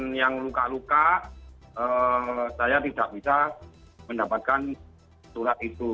dan yang luka luka saya tidak bisa mendapatkan surat itu